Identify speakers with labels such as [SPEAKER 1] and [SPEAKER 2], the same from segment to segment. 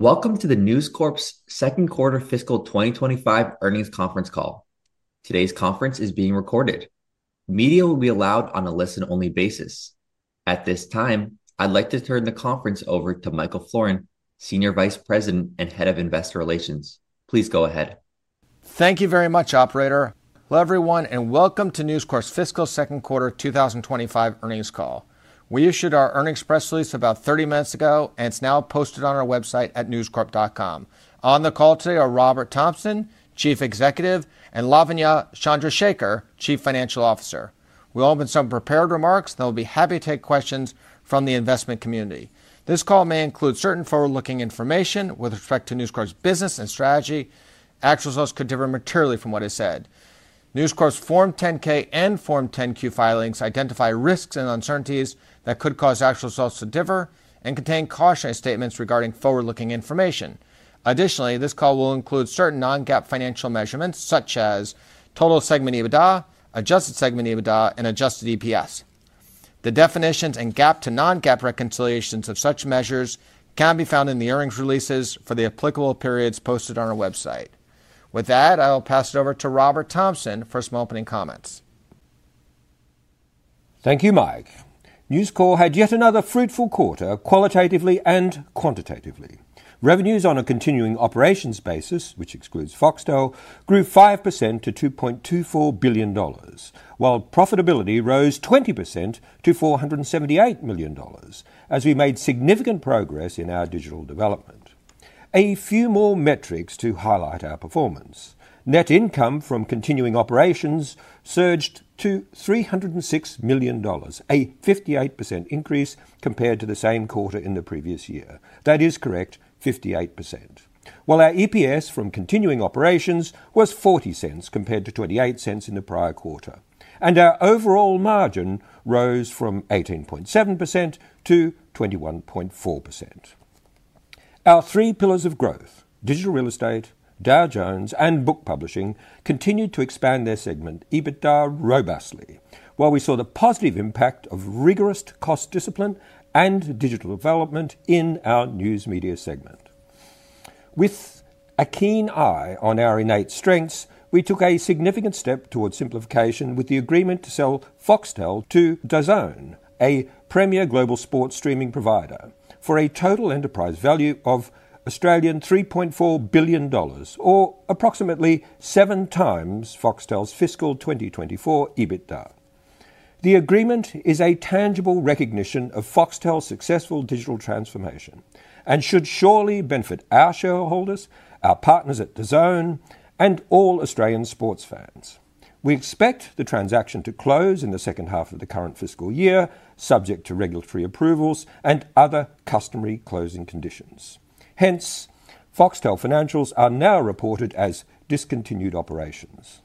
[SPEAKER 1] Welcome to the News Corp's Second Quarter Fiscal 2025 Earnings Conference call. Today's conference is being recorded. Media will be allowed on a listen-only basis. At this time, I'd like to turn the conference over to Michael Florin, Senior Vice President and Head of Investor Relations. Please go ahead.
[SPEAKER 2] Thank you very much, Operator. Hello, everyone, and welcome to News Corp's Fiscal Second Quarter 2025 Earnings Call. We issued our earnings press release about 30 minutes ago, and it's now posted on our website at newscorp.com. On the call today are Robert Thomson, Chief Executive, and Lavanya Chandrashekar, Chief Financial Officer. We'll open with some prepared remarks, and then we'll be happy to take questions from the investment community. This call may include certain forward-looking information with respect to News Corp's business and strategy. Actual results could differ materially from what is said. News Corp's Form 10-K and Form 10-Q filings identify risks and uncertainties that could cause actual results to differ and contain cautionary statements regarding forward-looking information. Additionally, this call will include certain non-GAAP financial measurements, such as total segment EBITDA, adjusted segment EBITDA, and adjusted EPS. The definitions and GAAP to non-GAAP reconciliations of such measures can be found in the earnings releases for the applicable periods posted on our website. With that, I will pass it over to Robert Thomson for some opening comments.
[SPEAKER 3] Thank you, Mike. News Corp had yet another fruitful quarter, qualitatively and quantitatively. Revenues on a continuing operations basis, which excludes Foxtel, grew 5% to $2.24 billion, while profitability rose 20% to $478 million, as we made significant progress in our digital development. A few more metrics to highlight our performance. Net income from continuing operations surged to $306 million, a 58% increase compared to the same quarter in the previous year. That is correct, 58%. Our EPS from continuing operations was $0.40 compared to $0.28 in the prior quarter, and our overall margin rose from 18.7% to 21.4%. Our three pillars of growth, digital real estate, Dow Jones, and book publishing, continued to expand their segment EBITDA robustly, while we saw the positive impact of rigorous cost discipline and digital development in our news media segment. With a keen eye on our innate strengths, we took a significant step toward simplification with the agreement to sell Foxtel to DAZN, a premier global sports streaming provider, for a total enterprise value of $3.4 billion, or approximately seven times Foxtel's fiscal 2024 EBITDA. The agreement is a tangible recognition of Foxtel's successful digital transformation and should surely benefit our shareholders, our partners at DAZN, and all Australian sports fans. We expect the transaction to close in the second half of the current fiscal year, subject to regulatory approvals and other customary closing conditions. Hence, Foxtel financials are now reported as discontinued operations.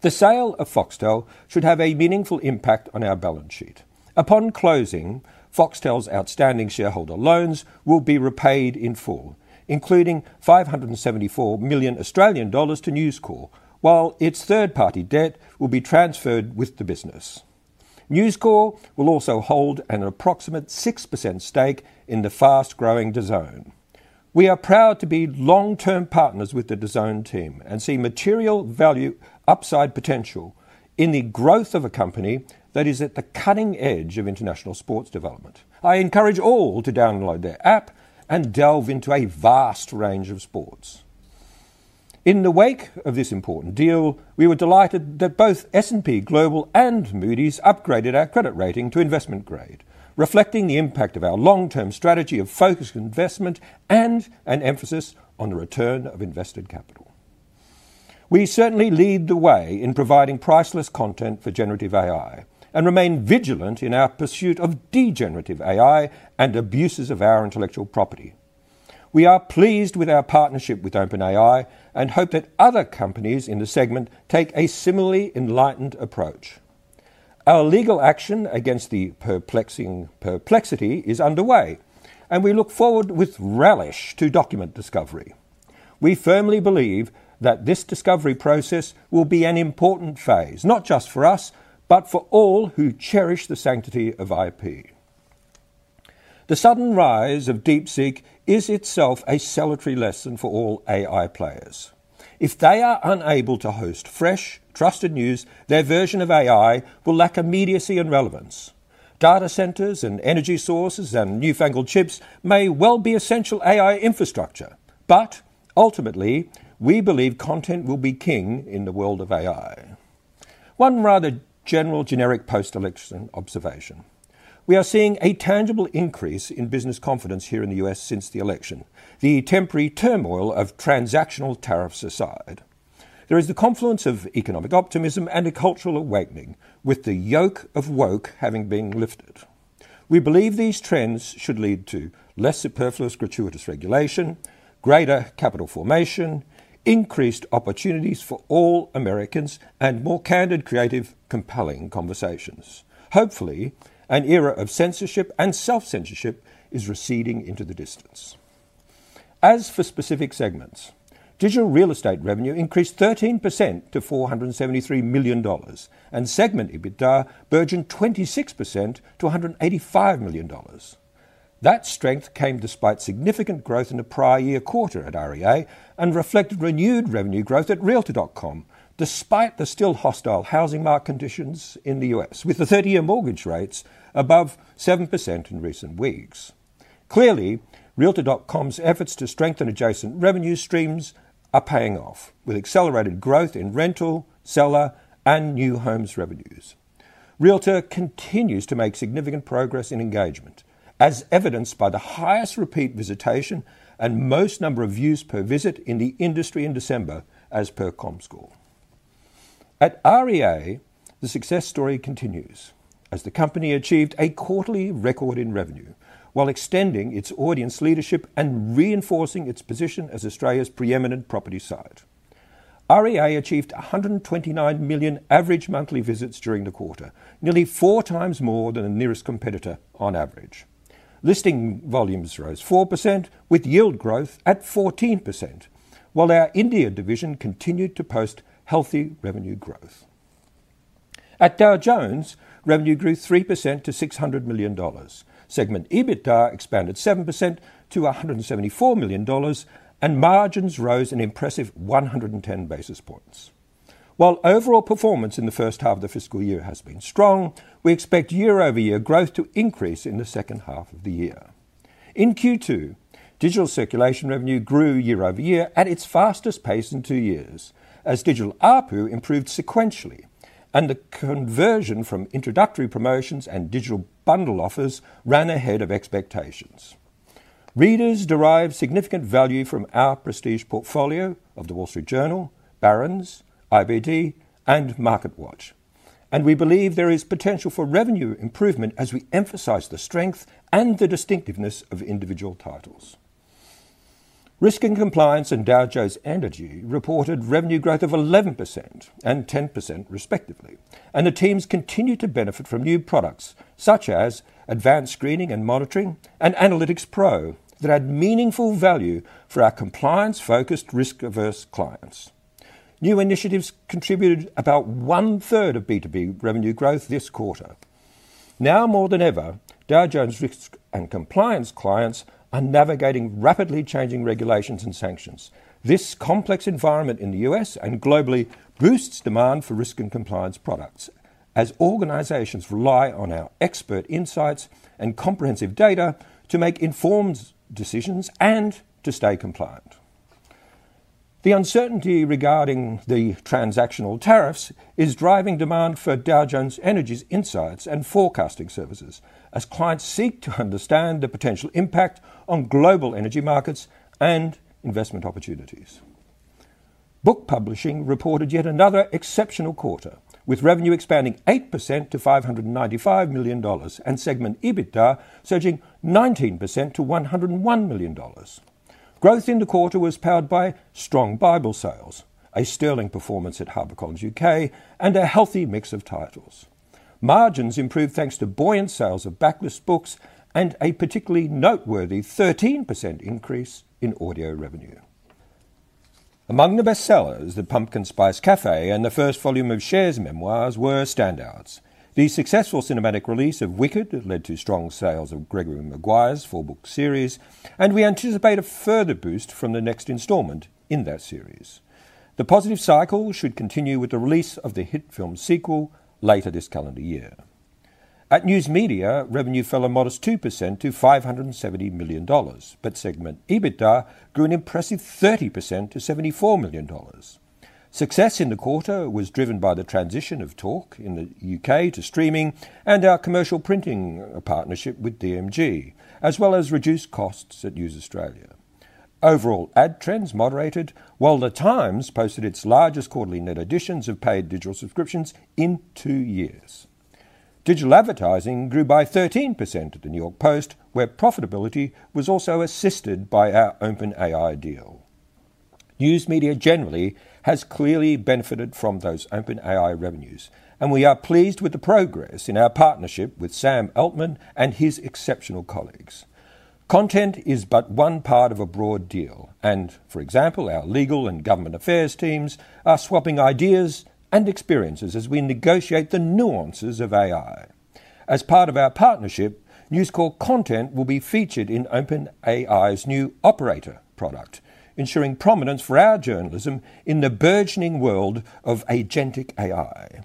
[SPEAKER 3] The sale of Foxtel should have a meaningful impact on our balance sheet. Upon closing, Foxtel's outstanding shareholder loans will be repaid in full, including $574 million to News Corp, while its third-party debt will be transferred with the business. News Corp will also hold an approximate 6% stake in the fast-growing DAZN. We are proud to be long-term partners with the DAZN team and see material value upside potential in the growth of a company that is at the cutting edge of international sports development. I encourage all to download their app and delve into a vast range of sports. In the wake of this important deal, we were delighted that both S&P Global and Moody's upgraded our credit rating to investment grade, reflecting the impact of our long-term strategy of focused investment and an emphasis on the return of invested capital. We certainly lead the way in providing priceless content for generative AI and remain vigilant in our pursuit of degenerate AI and abuses of our intellectual property. We are pleased with our partnership with OpenAI and hope that other companies in the segment take a similarly enlightened approach. Our legal action against the perplexing Perplexity is underway, and we look forward with relish to document discovery. We firmly believe that this discovery process will be an important phase, not just for us, but for all who cherish the sanctity of IP. The sudden rise of DeepSeek is itself a celebratory lesson for all AI players. If they are unable to host fresh, trusted news, their version of AI will lack immediacy and relevance. Data centers and energy sources and newfangled chips may well be essential AI infrastructure, but ultimately, we believe content will be king in the world of AI. One rather general generic post-election observation: we are seeing a tangible increase in business confidence here in the U.S. since the election, the temporary turmoil of transactional tariffs aside. There is the confluence of economic optimism and a cultural awakening, with the yoke of woke having been lifted. We believe these trends should lead to less superfluous gratuitous regulation, greater capital formation, increased opportunities for all Americans, and more candid, creative, compelling conversations. Hopefully, an era of censorship and self-censorship is receding into the distance. As for specific segments, digital real estate revenue increased 13% to $473 million, and segment EBITDA burgeoned 26% to $185 million. That strength came despite significant growth in the prior year quarter at REA and reflected renewed revenue growth at Realtor.com, despite the still hostile housing market conditions in the U.S., with the 30-year mortgage rates above 7% in recent weeks. Clearly, Realtor.com's efforts to strengthen adjacent revenue streams are paying off, with accelerated growth in rental, seller, and new homes revenues. Realtor continues to make significant progress in engagement, as evidenced by the highest repeat visitation and most number of views per visit in the industry in December, as per Comscore. At REA, the success story continues as the company achieved a quarterly record in revenue, while extending its audience leadership and reinforcing its position as Australia's preeminent property site. REA achieved 129 million average monthly visits during the quarter, nearly four times more than a nearest competitor on average. Listing volumes rose 4%, with yield growth at 14%, while our India division continued to post healthy revenue growth. At Dow Jones, revenue grew 3% to $600 million. Segment EBITDA expanded 7% to $174 million, and margins rose an impressive 110 basis points. While overall performance in the first half of the fiscal year has been strong, we expect year-over-year growth to increase in the second half of the year. In Q2, digital circulation revenue grew year-over-year at its fastest pace in two years, as digital ARPU improved sequentially, and the conversion from introductory promotions and digital bundle offers ran ahead of expectations. Readers derive significant value from our prestige portfolio of The Wall Street Journal, Barron's, IBD, and MarketWatch, and we believe there is potential for revenue improvement as we emphasize the strength and the distinctiveness of individual titles. Risk and Compliance and Dow Jones Energy reported revenue growth of 11% and 10%, respectively, and the teams continue to benefit from new products such as Advanced Screening and Monitoring and Analytics Pro that add meaningful value for our compliance-focused, risk-averse clients. New initiatives contributed about one-third of B2B revenue growth this quarter. Now more than ever, Dow Jones Risk and Compliance clients are navigating rapidly changing regulations and sanctions. This complex environment in the U.S. and globally boosts demand for risk and compliance products, as organizations rely on our expert insights and comprehensive data to make informed decisions and to stay compliant. The uncertainty regarding the transactional tariffs is driving demand for Dow Jones Energy's insights and forecasting services, as clients seek to understand the potential impact on global energy markets and investment opportunities. Book publishing reported yet another exceptional quarter, with revenue expanding 8% to $595 million and segment EBITDA surging 19% to $101 million. Growth in the quarter was powered by strong Bible sales, a sterling performance at HarperCollins U.K., and a healthy mix of titles. Margins improved thanks to buoyant sales of backlist books and a particularly noteworthy 13% increase in audio revenue. Among the bestsellers, The Pumpkin Spice Cafe and the first volume of Cher's Memoirs were standouts. The successful cinematic release of Wicked led to strong sales of Gregory Maguire's four-book series, and we anticipate a further boost from the next installment in that series. The positive cycle should continue with the release of the hit film sequel later this calendar year. At News Media, revenue fell a modest 2% to $570 million, but segment EBITDA grew an impressive 30% to $74 million. Success in the quarter was driven by the transition of TALK in the UK to streaming and our commercial printing partnership with DMG, as well as reduced costs at News Australia. Overall, ad trends moderated, while The Times posted its largest quarterly net additions of paid digital subscriptions in two years. Digital advertising grew by 13% at The New York Post, where profitability was also assisted by our OpenAI deal. News Media generally has clearly benefited from those OpenAI revenues, and we are pleased with the progress in our partnership with Sam Altman and his exceptional colleagues. Content is but one part of a broad deal, and, for example, our legal and government affairs teams are swapping ideas and experiences as we negotiate the nuances of AI. As part of our partnership, News Corp content will be featured in OpenAI's new Operator product, ensuring prominence for our journalism in the burgeoning world of agentic AI.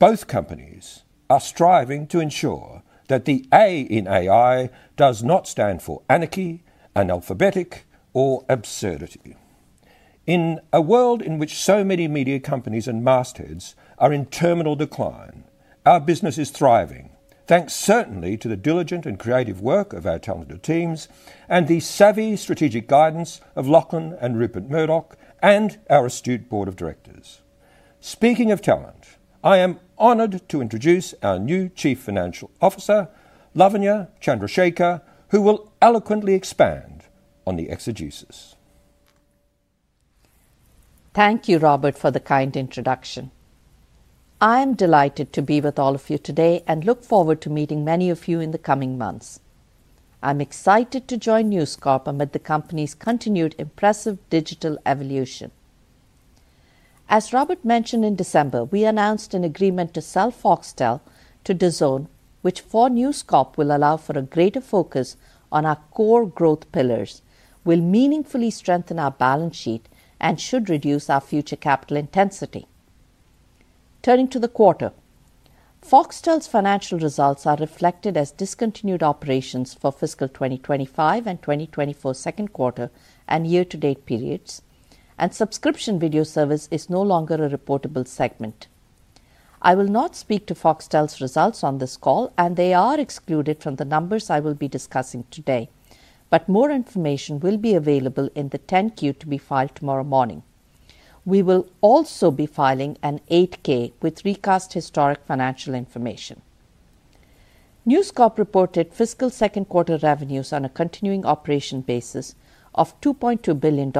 [SPEAKER 3] Both companies are striving to ensure that the A in AI does not stand for anarchy, analphabetic, or absurdity. In a world in which so many media companies and mastheads are in terminal decline, our business is thriving, thanks certainly to the diligent and creative work of our talented teams and the savvy strategic guidance of Lachlan and Rupert Murdoch and our astute board of directors. Speaking of talent, I am honored to introduce our new Chief Financial Officer, Lavanya Chandrashekar, who will eloquently expand on the exegesis.
[SPEAKER 4] Thank you, Robert, for the kind introduction. I am delighted to be with all of you today and look forward to meeting many of you in the coming months. I'm excited to join News Corp amid the company's continued impressive digital evolution. As Robert mentioned in December, we announced an agreement to sell Foxtel to DAZN, which for News Corp will allow for a greater focus on our core growth pillars, will meaningfully strengthen our balance sheet, and should reduce our future capital intensity. Turning to the quarter, Foxtel's financial results are reflected as discontinued operations for fiscal 2025 and 2024 second quarter and year-to-date periods, and subscription video service is no longer a reportable segment. I will not speak to Foxtel's results on this call, and they are excluded from the numbers I will be discussing today, but more information will be available in the 10-Q to be filed tomorrow morning. We will also be filing an 8-K with recast historic financial information. News Corp reported fiscal second quarter revenues on a continuing operation basis of $2.2 billion,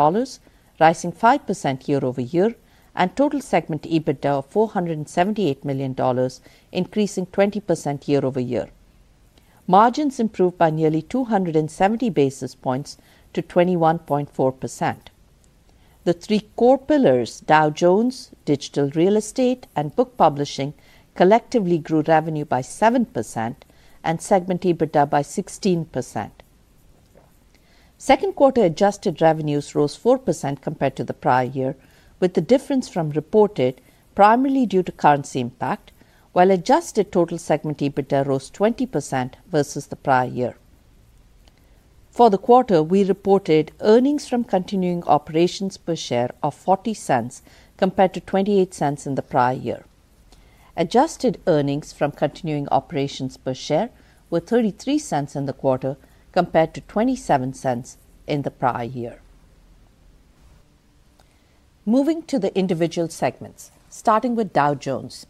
[SPEAKER 4] rising 5% year-over-year, and total segment EBITDA of $478 million, increasing 20% year-over-year. Margins improved by nearly 270 basis points to 21.4%. The three core pillars, Dow Jones, digital real estate, and book publishing, collectively grew revenue by 7% and segment EBITDA by 16%. Second quarter adjusted revenues rose 4% compared to the prior year, with the difference from reported primarily due to currency impact, while adjusted total segment EBITDA rose 20% versus the prior year. For the quarter, we reported earnings from continuing operations per share of $0.40 compared to $0.28 in the prior year. Adjusted earnings from continuing operations per share were $0.33 in the quarter compared to $0.27 in the prior year. Moving to the individual segments, starting with Dow Jones.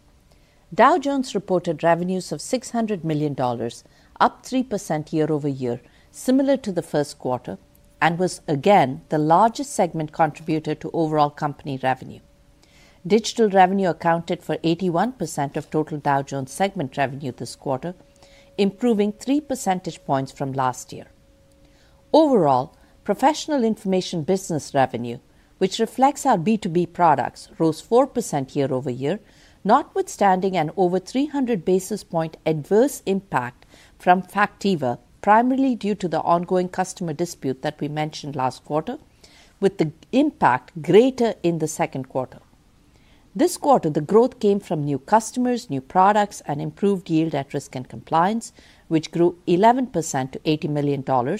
[SPEAKER 4] Dow Jones reported revenues of $600 million, up 3% year-over-year, similar to the first quarter, and was again the largest segment contributor to overall company revenue. Digital revenue accounted for 81% of total Dow Jones segment revenue this quarter, improving 3 percentage points from last year. Overall, professional information business revenue, which reflects our B2B products, rose 4% year-over-year, notwithstanding an over 300 basis points adverse impact from Factiva, primarily due to the ongoing customer dispute that we mentioned last quarter, with the impact greater in the second quarter. This quarter, the growth came from new customers, new products, and improved yield at Risk and Compliance, which grew 11% to $80 million,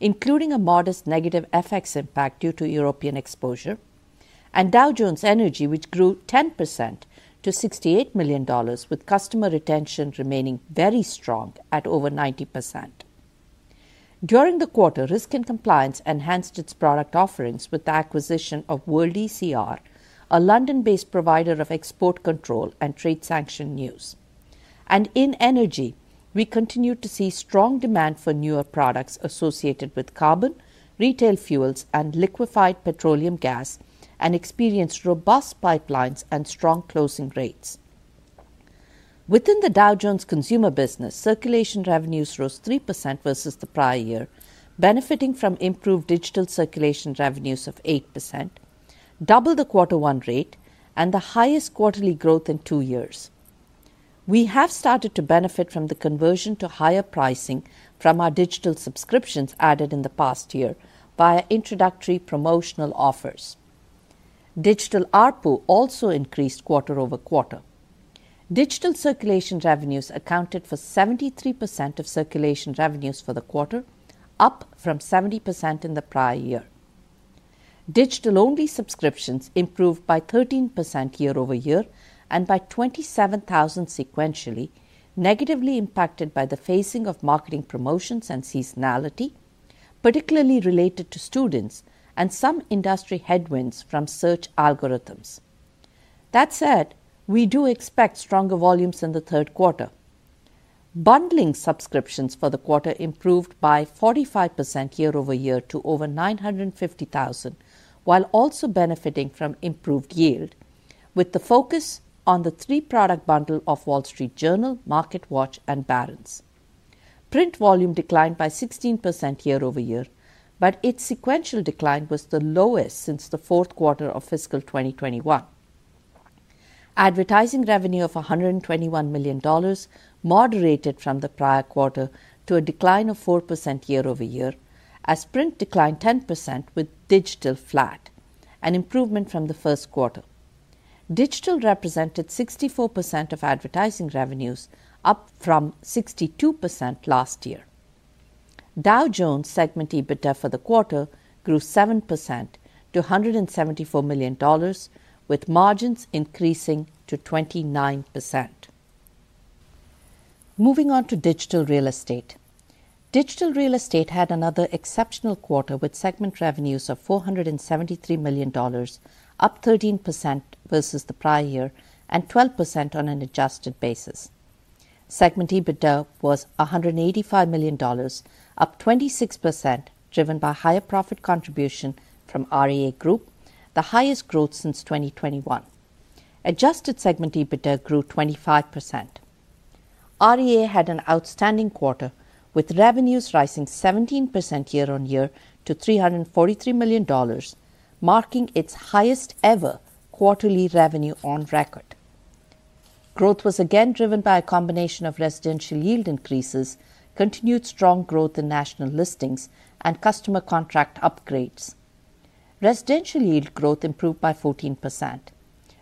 [SPEAKER 4] including a modest negative FX impact due to European exposure, and Dow Jones Energy, which grew 10% to $68 million, with customer retention remaining very strong at over 90%. During the quarter, Risk and Compliance enhanced its product offerings with the acquisition of WorldECR, a London-based provider of export control and trade sanction news. In energy, we continue to see strong demand for newer products associated with carbon, retail fuels, and liquefied petroleum gas, and experienced robust pipelines and strong closing rates. Within the Dow Jones consumer business, circulation revenues rose 3% versus the prior year, benefiting from improved digital circulation revenues of 8%, double the quarter one rate, and the highest quarterly growth in two years. We have started to benefit from the conversion to higher pricing from our digital subscriptions added in the past year via introductory promotional offers. Digital ARPU also increased quarter over quarter. Digital circulation revenues accounted for 73% of circulation revenues for the quarter, up from 70% in the prior year. Digital-only subscriptions improved by 13% year-over-year and by 27,000 sequentially, negatively impacted by the phasing of marketing promotions and seasonality, particularly related to students and some industry headwinds from search algorithms. That said, we do expect stronger volumes in the third quarter. Bundling subscriptions for the quarter improved by 45% year-over-year to over 950,000, while also benefiting from improved yield, with the focus on the three product bundle of Wall Street Journal, MarketWatch, and Barron's. Print volume declined by 16% year-over-year, but its sequential decline was the lowest since the fourth quarter of fiscal 2021. Advertising revenue of $121 million moderated from the prior quarter to a decline of 4% year-over-year, as print declined 10% with digital flat, an improvement from the first quarter. Digital represented 64% of advertising revenues, up from 62% last year. Dow Jones segment EBITDA for the quarter grew 7% to $174 million, with margins increasing to 29%. Moving on to digital real estate. Digital Real Estate had another exceptional quarter with segment revenues of $473 million, up 13% versus the prior year and 12% on an adjusted basis. Segment EBITDA was $185 million, up 26%, driven by higher profit contribution from REA Group, the highest growth since 2021. Adjusted segment EBITDA grew 25%. REA had an outstanding quarter, with revenues rising 17% year-on-year to $343 million, marking its highest-ever quarterly revenue on record. Growth was again driven by a combination of residential yield increases, continued strong growth in national listings, and customer contract upgrades. Residential yield growth improved by 14%.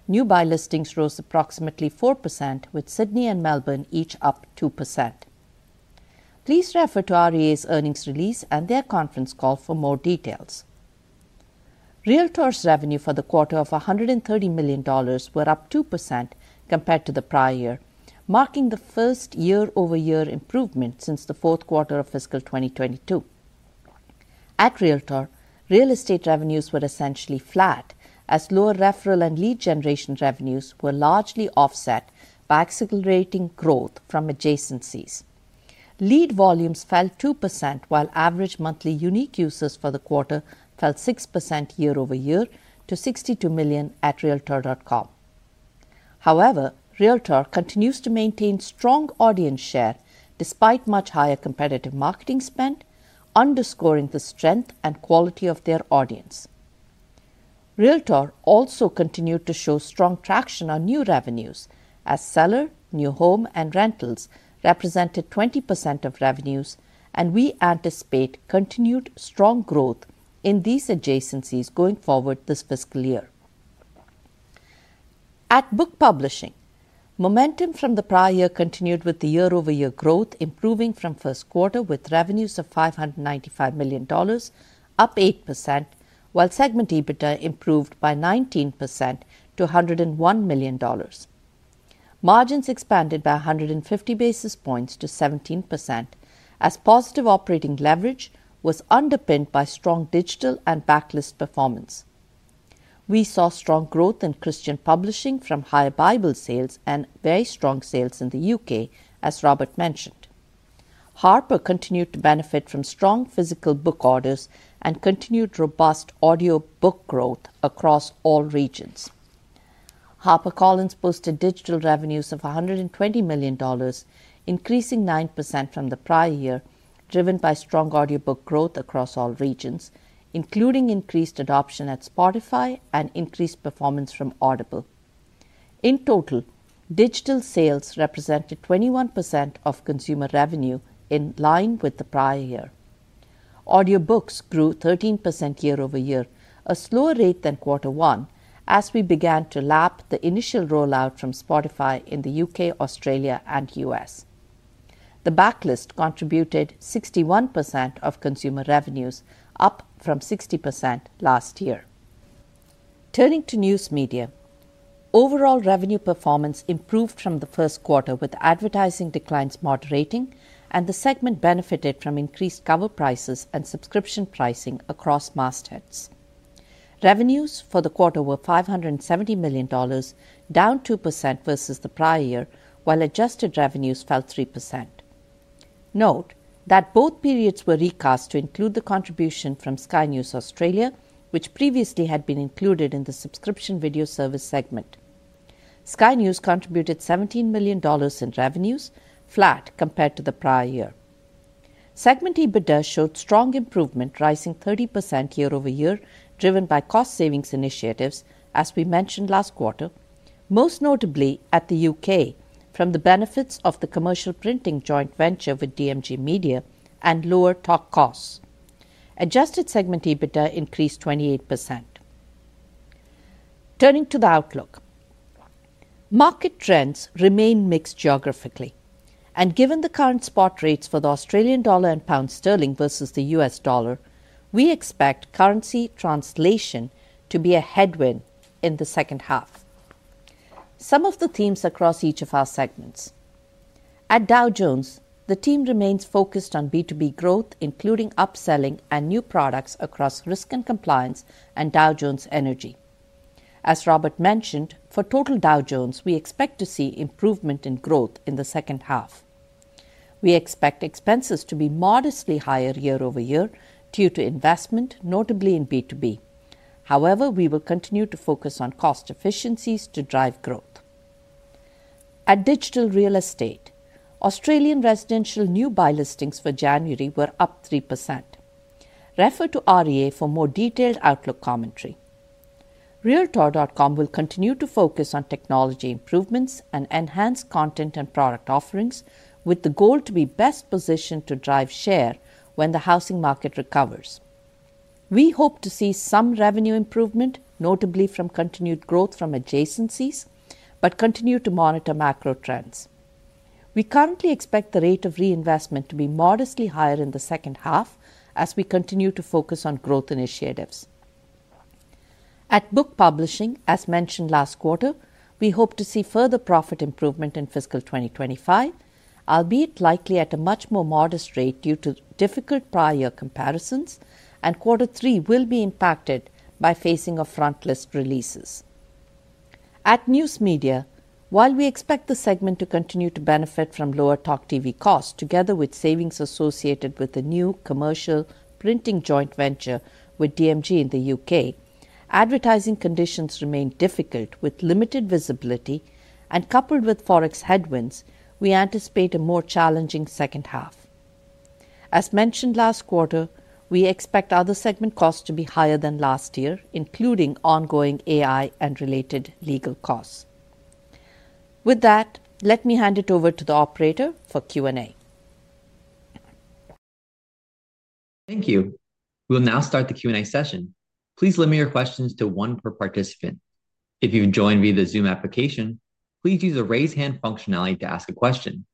[SPEAKER 4] New buy listings rose approximately 4%, with Sydney and Melbourne each up 2%. Please refer to REA's earnings release and their conference call for more details. Realtor.com's revenue for the quarter of $130 million were up 2% compared to the prior year, marking the first year-over-year improvement since the fourth quarter of fiscal 2022. At Realtor.com, real estate revenues were essentially flat, as lower referral and lead generation revenues were largely offset by accelerating growth from adjacencies. Lead volumes fell 2%, while average monthly unique users for the quarter fell 6% year-over-year to 62 million at Realtor.com. However, Realtor.com continues to maintain strong audience share despite much higher competitive marketing spend, underscoring the strength and quality of their audience. Realtor.com also continued to show strong traction on new revenues, as seller, new home, and rentals represented 20% of revenues, and we anticipate continued strong growth in these adjacencies going forward this fiscal year. In book publishing, momentum from the prior year continued with the year-over-year growth improving from first quarter with revenues of $595 million, up 8%, while segment EBITDA improved by 19% to $101 million. Margins expanded by 150 basis points to 17%, as positive operating leverage was underpinned by strong digital and backlist performance. We saw strong growth in Christian publishing from higher Bible sales and very strong sales in the UK, as Robert mentioned. Harper continued to benefit from strong physical book orders and continued robust audio book growth across all regions. HarperCollins posted digital revenues of $120 million, increasing 9% from the prior year, driven by strong audio book growth across all regions, including increased adoption at Spotify and increased performance from Audible. In total, digital sales represented 21% of consumer revenue in line with the prior year. Audiobooks grew 13% year-over-year, a slower rate than quarter one, as we began to lap the initial rollout from Spotify in the U.K., Australia, and U.S. The backlist contributed 61% of consumer revenues, up from 60% last year. Turning to news media, overall revenue performance improved from the first quarter with advertising declines moderating, and the segment benefited from increased cover prices and subscription pricing across mastheads. Revenues for the quarter were $570 million, down 2% versus the prior year, while adjusted revenues fell 3%. Note that both periods were recast to include the contribution from Sky News Australia, which previously had been included in the subscription video service segment. Sky News contributed $17 million in revenues, flat compared to the prior year. Segment EBITDA showed strong improvement, rising 30% year-over-year, driven by cost savings initiatives, as we mentioned last quarter, most notably at the U.K. from the benefits of the commercial printing joint venture with DMG Media and lower Talk costs. Adjusted segment EBITDA increased 28%. Turning to the outlook, market trends remain mixed geographically, and given the current spot rates for the Australian dollar and pound sterling versus the US dollar, we expect currency translation to be a headwind in the second half. Some of the themes across each of our segments. At Dow Jones, the team remains focused on B2B growth, including upselling and new products across Risk and Compliance and Dow Jones Energy. As Robert mentioned, for total Dow Jones, we expect to see improvement in growth in the second half. We expect expenses to be modestly higher year-over-year due to investment, notably in B2B. However, we will continue to focus on cost efficiencies to drive growth. At Digital Real Estate, Australian residential new buy listings for January were up 3%. Refer to REA for more detailed outlook commentary. Realtor.com will continue to focus on technology improvements and enhanced content and product offerings, with the goal to be best positioned to drive share when the housing market recovers. We hope to see some revenue improvement, notably from continued growth from adjacencies, but continue to monitor macro trends. We currently expect the rate of reinvestment to be modestly higher in the second half, as we continue to focus on growth initiatives. At Book Publishing, as mentioned last quarter, we hope to see further profit improvement in fiscal 2025, albeit likely at a much more modest rate due to difficult prior year comparisons, and quarter three will be impacted by phasing of frontlist releases. At News Media, while we expect the segment to continue to benefit from lower Talk TV costs together with savings associated with the new commercial printing joint venture with DMG in the U.K., advertising conditions remain difficult with limited visibility, and coupled with Forex headwinds, we anticipate a more challenging second half. As mentioned last quarter, we expect other segment costs to be higher than last year, including ongoing AI and related legal costs. With that, let me hand it over to the operator for Q&A.
[SPEAKER 1] Thank you. We'll now start the Q&A session. Please limit your questions to one per participant. If you've joined via the Zoom application, please use the raise hand functionality to ask a question.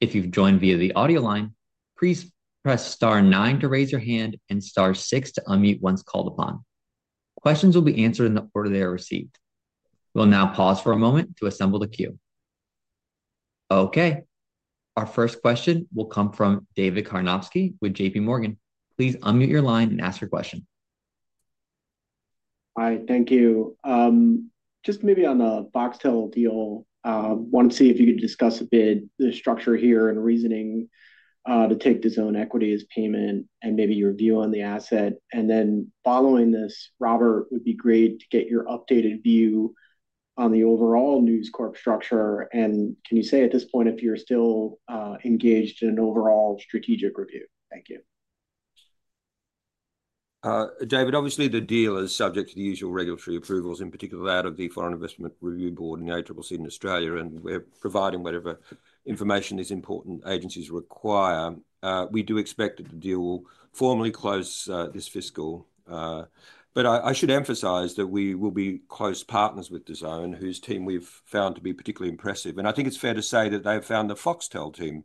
[SPEAKER 1] If you've joined via the audio line, please press star nine to raise your hand and star six to unmute once called upon. Questions will be answered in the order they are received. We'll now pause for a moment to assemble the queue. Okay. Our first question will come from David Karnovsky with JP Morgan. Please unmute your line and ask your question.
[SPEAKER 5] Hi, thank you. Just maybe on the Foxtel deal, I wanted to see if you could discuss a bit the structure here and reasoning to take the DAZN equity as payment and maybe your view on the asset. And then following this, Robert, it would be great to get your updated view on the overall News Corp structure. And can you say at this point if you're still engaged in an overall strategic review? Thank you.
[SPEAKER 3] David, obviously the deal is subject to the usual regulatory approvals, in particular that of the Foreign Investment Review Board and the ACCC in Australia, and we're providing whatever information these important agencies require. We do expect that the deal will formally close this fiscal. But I should emphasize that we will be close partners with DAZN, whose team we've found to be particularly impressive. And I think it's fair to say that they've found the Foxtel team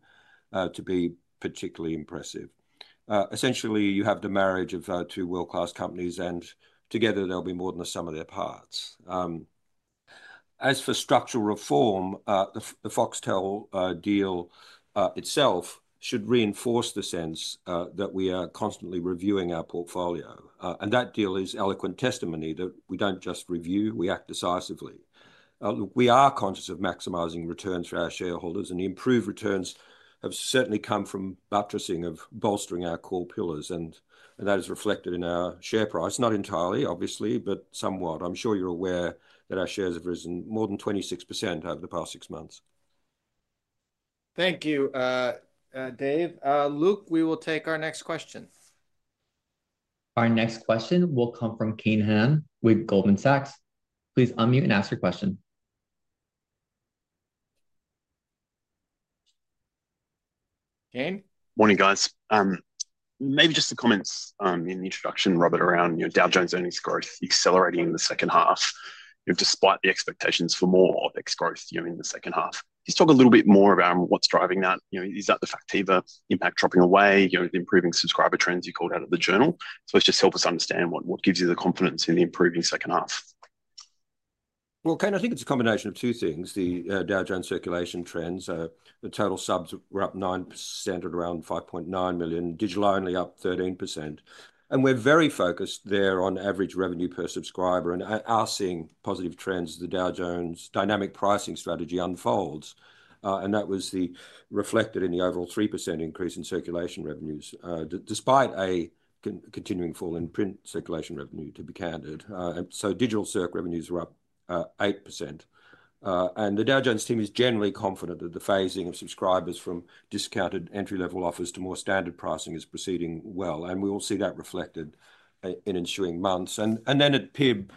[SPEAKER 3] to be particularly impressive. Essentially, you have the marriage of two world-class companies, and together they'll be more than the sum of their parts. As for structural reform, the Foxtel deal itself should reinforce the sense that we are constantly reviewing our portfolio. And that deal is eloquent testimony that we don't just review, we act decisively. Look, we are conscious of maximizing returns for our shareholders, and the improved returns have certainly come from buttressing or bolstering our core pillars. And that is reflected in our share price, not entirely, obviously, but somewhat. I'm sure you're aware that our shares have risen more than 26% over the past six months.
[SPEAKER 2] Thank you, Dave. Luke, we will take our next question.
[SPEAKER 1] Our next question will come from Kane Hannan with Goldman Sachs. Please unmute and ask your question. Kane?
[SPEAKER 6] Morning, guys. Maybe just the comments in the introduction, Robert, around Dow Jones earnings growth accelerating in the second half, despite the expectations for more of FX growth in the second half. Just talk a little bit more about what's driving that. Is that the Factiva impact dropping away, improving subscriber trends you called out of the Journal? So let's just help us understand what gives you the confidence in the improving second half.
[SPEAKER 3] Well, Kane, I think it's a combination of two things. The Dow Jones circulation trends, the total subs were up 9% at around 5.9 million, digital only up 13%. We're very focused there on average revenue per subscriber and are seeing positive trends as the Dow Jones dynamic pricing strategy unfolds. That was reflected in the overall 3% increase in circulation revenues, despite a continuing fall in print circulation revenue, to be candid. Digital circ revenues were up 8%. The Dow Jones team is generally confident that the phasing of subscribers from discounted entry-level offers to more standard pricing is proceeding well. We will see that reflected in ensuing months. At PIB,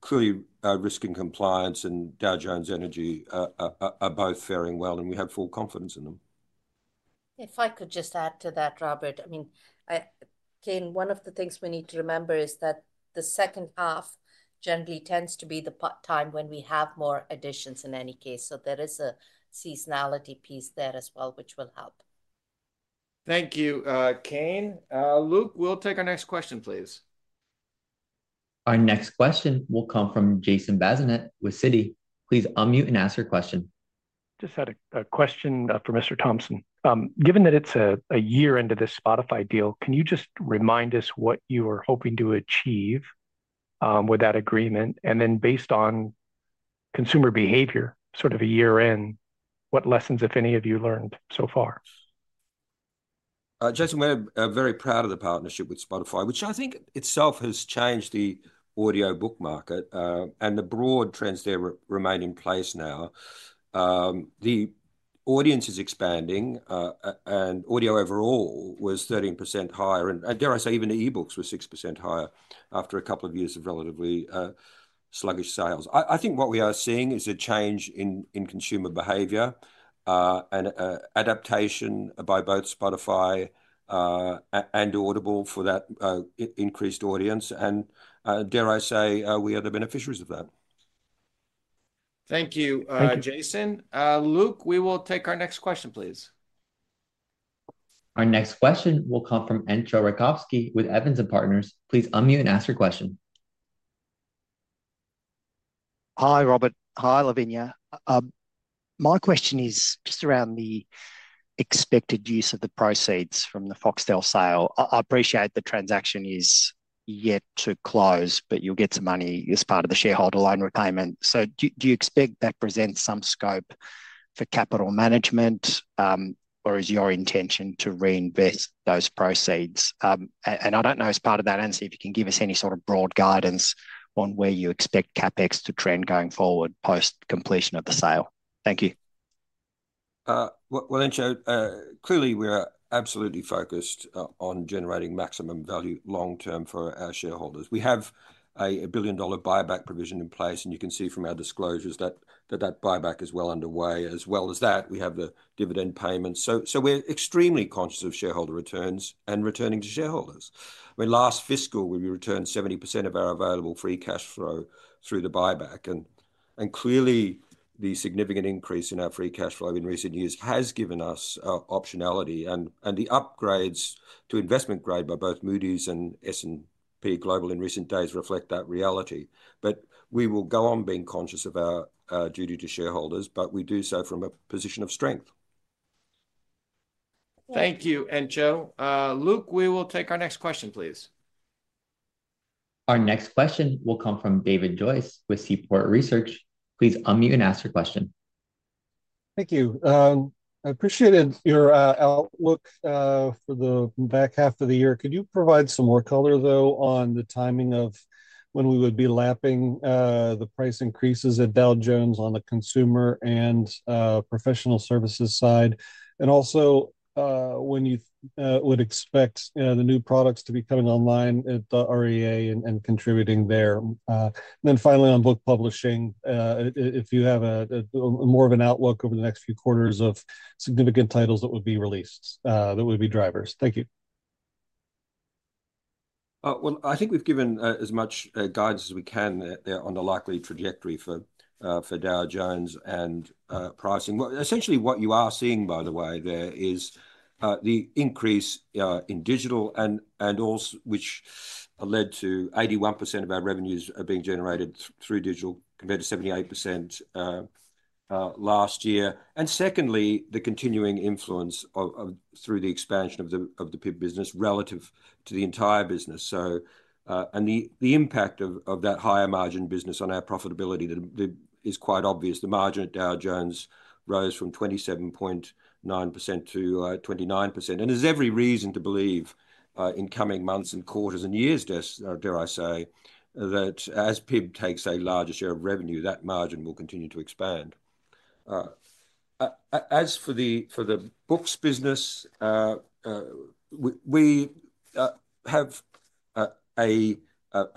[SPEAKER 3] clearly Risk and Compliance and Dow Jones Energy are both faring well, and we have full confidence in them.
[SPEAKER 4] If I could just add to that, Robert, I mean, Kane Hannan, one of the things we need to remember is that the second half generally tends to be the time when we have more additions in any case. So there is a seasonality piece there as well, which will help.
[SPEAKER 2] Thank you, Kane Hannan. Luke, we'll take our next question, please.
[SPEAKER 1] Our next question will come from Jason Bazinet with Citi. Please unmute and ask your question.
[SPEAKER 7] Just had a question for Mr. Thomson. Given that it's a year into this Spotify deal, can you just remind us what you were hoping to achieve with that agreement? And then based on consumer behavior, sort of a year in, what lessons, if any, have you learned so far?
[SPEAKER 3] Jason, we're very proud of the partnership with Spotify, which I think itself has changed the audio book market and the broad trends there remain in place now. The audience is expanding, and audio overall was 13% higher. And dare I say, even the e-books were 6% higher after a couple of years of relatively sluggish sales. I think what we are seeing is a change in consumer behavior and adaptation by both Spotify and Audible for that increased audience, and dare I say, we are the beneficiaries of that.
[SPEAKER 2] Thank you, Jason. Luke, we will take our next question, please.
[SPEAKER 1] Our next question will come from Entcho Raykovski with Evans & Partners. Please unmute and ask your question.
[SPEAKER 8] Hi, Robert. Hi, Lavanya. My question is just around the expected use of the proceeds from the Foxtel sale. I appreciate the transaction is yet to close, but you'll get some money as part of the shareholder loan repayment, so do you expect that presents some scope for capital management, or is your intention to reinvest those proceeds? I don't know as part of that answer if you can give us any sort of broad guidance on where you expect CapEx to trend going forward post-completion of the sale. Thank you.
[SPEAKER 3] Well, Entcho, clearly we're absolutely focused on generating maximum value long-term for our shareholders. We have a $1 billion buyback provision in place, and you can see from our disclosures that that buyback is well underway. As well as that, we have the dividend payments. So we're extremely conscious of shareholder returns and returning to shareholders. I mean, last fiscal, we returned 70% of our available free cash flow through the buyback. And clearly, the significant increase in our free cash flow in recent years has given us optionality. And the upgrades to investment grade by both Moody's and S&P Global in recent days reflect that reality. But we will go on being conscious of our duty to shareholders, but we do so from a position of strength.
[SPEAKER 2] Thank you, Entcho. Luke, we will take our next question, please.
[SPEAKER 1] Our next question will come from David Joyce with Seaport Research. Please unmute and ask your question.
[SPEAKER 9] Thank you. I appreciated your outlook for the back half of the year. Could you provide some more color, though, on the timing of when we would be lapping the price increases at Dow Jones on the consumer and professional services side? And also when you would expect the new products to be coming online at the REA and contributing there. And then finally, on book publishing, if you have more of an outlook over the next few quarters of significant titles that would be released, that would be drivers. Thank you.
[SPEAKER 3] I think we've given as much guidance as we can on the likely trajectory for Dow Jones and pricing. Essentially, what you are seeing, by the way, there is the increase in digital, which led to 81% of our revenues being generated through digital compared to 78% last year. Secondly, the continuing influence through the expansion of the PIB business relative to the entire business. The impact of that higher margin business on our profitability is quite obvious. The margin at Dow Jones rose from 27.9% to 29%. There's every reason to believe in coming months and quarters and years, dare I say, that as PIB takes a larger share of revenue, that margin will continue to expand. As for the books business, we have a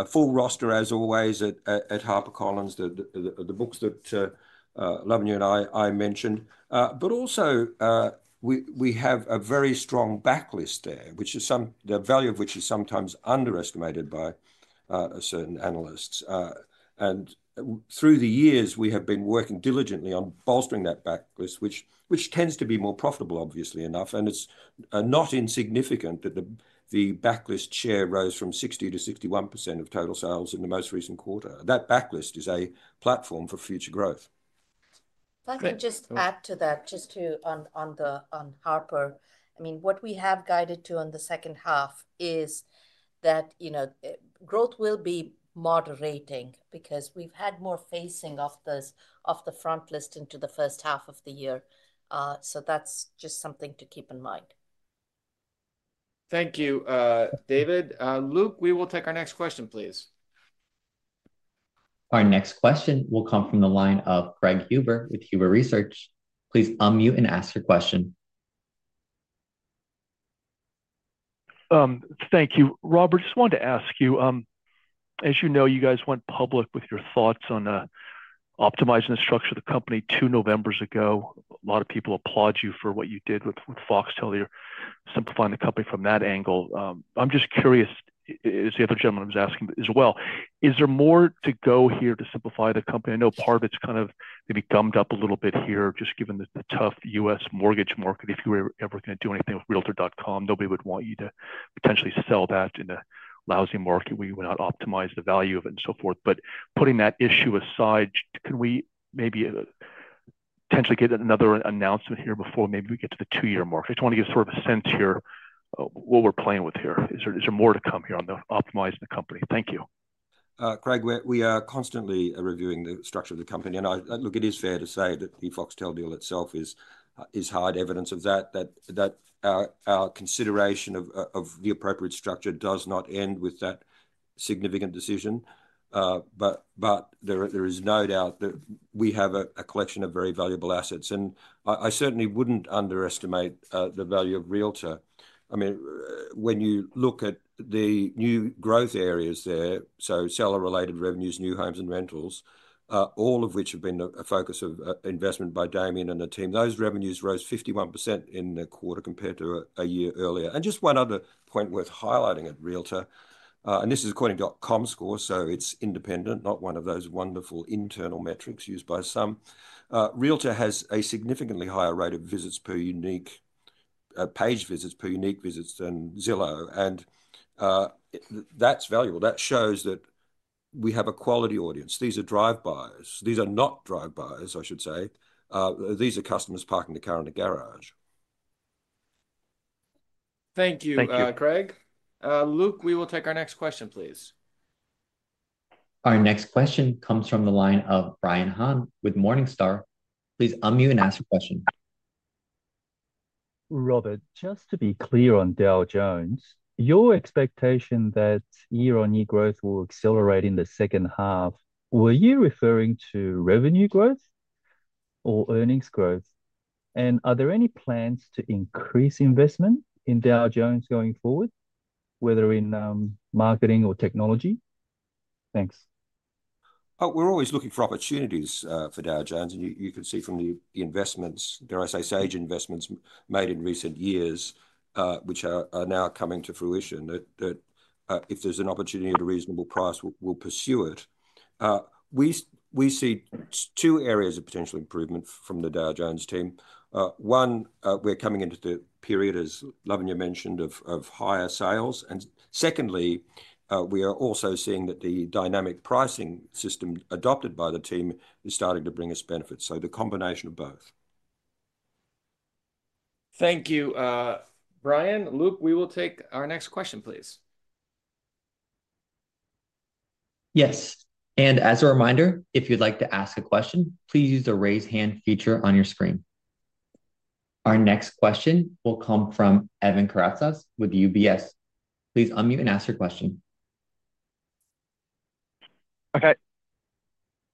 [SPEAKER 3] full roster, as always, at HarperCollins, the books that Lavanya and I mentioned. But also we have a very strong backlist there, the value of which is sometimes underestimated by certain analysts. And through the years, we have been working diligently on bolstering that backlist, which tends to be more profitable, obviously enough. And it's not insignificant that the backlist share rose from 60%-61% of total sales in the most recent quarter. That backlist is a platform for future growth.
[SPEAKER 4] I can just add to that, just on Harper. I mean, what we have guided to in the second half is that growth will be moderating because we've had more phasing of the frontlist into the first half of the year. So that's just something to keep in mind.
[SPEAKER 2] Thank you, David. Luke, we will take our next question, please. Our next question will come from the line of Greg Huber with Huber Research. Please unmute and ask your question.
[SPEAKER 10] Thank you. Robert, just wanted to ask you, as you know, you guys went public with your thoughts on optimizing the structure of the company two November ago. A lot of people applaud you for what you did with Foxtel, simplifying the company from that angle. I'm just curious, as the other gentleman was asking as well, is there more to go here to simplify the company? I know part of it's kind of maybe gummed up a little bit here, just given the tough U.S. mortgage market. If you were ever going to do anything with Realtor.com, nobody would want you to potentially sell that in a lousy market where you would not optimize the value of it and so forth. But putting that issue aside, can we maybe potentially get another announcement here before maybe we get to the two-year market? I just want to give sort of a sense here of what we're playing with here. Is there more to come here on optimizing the company? Thank you.
[SPEAKER 3] Greg, we are constantly reviewing the structure of the company. Look, it is fair to say that the Foxtel deal itself is hard evidence of that, that our consideration of the appropriate structure does not end with that significant decision. There is no doubt that we have a collection of very valuable assets. I certainly wouldn't underestimate the value of Realtor. I mean, when you look at the new growth areas there, so seller-related revenues, new homes, and rentals, all of which have been a focus of investment by Damian and the team, those revenues rose 51% in the quarter compared to a year earlier. And just one other point worth highlighting at Realtor, and this is according to Comscore, so it's independent, not one of those wonderful internal metrics used by some. Realtor has a significantly higher rate of unique page visits per unique visits than Zillow. And that's valuable. That shows that we have a quality audience. These are drive-bys. These are not drive-bys, I should say. These are customers parking the car in the garage.
[SPEAKER 2] Thank you, Greg. Luke, we will take our next question, please.
[SPEAKER 1] Our next question comes from the line of Brian Han with Morningstar. Please unmute and ask your question.
[SPEAKER 11] Robert, just to be clear on Dow Jones, your expectation that year-on-year growth will accelerate in the second half, were you referring to revenue growth or earnings growth? And are there any plans to increase investment in Dow Jones going forward, whether in marketing or technology? Thanks.
[SPEAKER 3] We're always looking for opportunities for Dow Jones. You can see from the investments, dare I say, sage investments made in recent years, which are now coming to fruition, that if there's an opportunity at a reasonable price, we'll pursue it. We see two areas of potential improvement from the Dow Jones team. One, we're coming into the period, as Lavanya mentioned, of higher sales. Secondly, we are also seeing that the dynamic pricing system adopted by the team is starting to bring us benefits. So the combination of both.
[SPEAKER 2] Thank you, Brian. Luke, we will take our next question, please.
[SPEAKER 1] Yes. As a reminder, if you'd like to ask a question, please use the raise hand feature on your screen. Our next question will come from Evan Karatzas with UBS. Please unmute and ask your question.
[SPEAKER 12] Okay.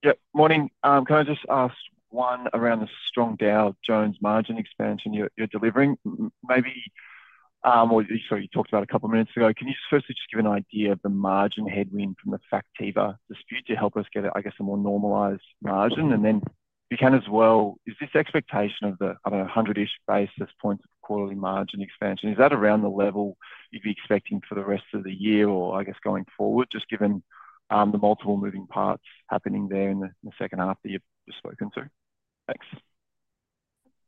[SPEAKER 12] Yeah. Morning. Can I just ask one around the strong Dow Jones margin expansion you're delivering? Maybe, or sorry, you talked about a couple of minutes ago. Can you firstly just give an idea of the margin headwind from the Factiva dispute to help us get, I guess, a more normalized margin? And then you can as well, is this expectation of the, I don't know, 100-ish basis points of quarterly margin expansion, is that around the level you'd be expecting for the rest of the year or, I guess, going forward, just given the multiple moving parts happening there in the second half that you've spoken to? Thanks.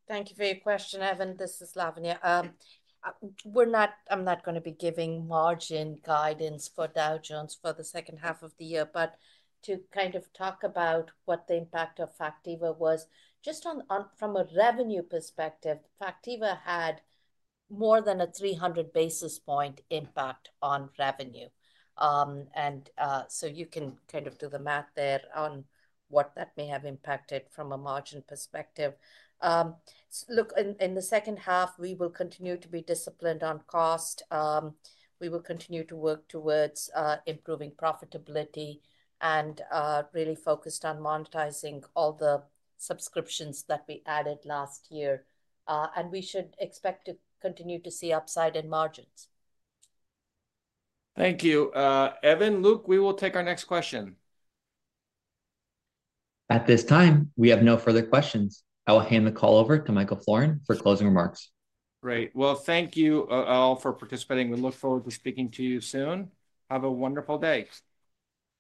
[SPEAKER 4] Thank you for your question, Evan. This is Lavanya. I'm not going to be giving margin guidance for Dow Jones for the second half of the year, but to kind of talk about what the impact of Factiva was, just from a revenue perspective. Factiva had more than a 300 basis point impact on revenue. So you can kind of do the math there on what that may have impacted from a margin perspective. Look, in the second half, we will continue to be disciplined on cost. We will continue to work towards improving profitability and really focused on monetizing all the subscriptions that we added last year. We should expect to continue to see upside in margins.
[SPEAKER 2] Thank you. Evan, Luke, we will take our next question.
[SPEAKER 1] At this time, we have no further questions. I will hand the call over to Michael Florin for closing remarks.
[SPEAKER 2] Great. Well, thank you all for participating. We look forward to speaking to you soon. Have a wonderful day.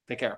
[SPEAKER 2] Take care.